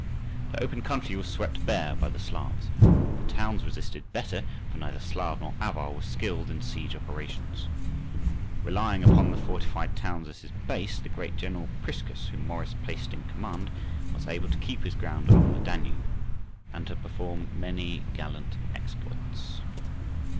The open country was swept bare by the Slavs: the towns resisted better, for neither Slav nor Avar was skilled in siege operations. Relying upon the fortified towns as his base the great general Priscus, whom Maurice placed in command, was able to keep his ground along the Danube, and to perform many gallant exploits.